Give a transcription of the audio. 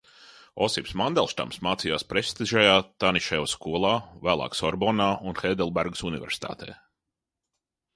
Osips Mandelštams mācījās prestižajā Taniševa skolā, vēlāk Sorbonnā un Heidelbergas universitātē.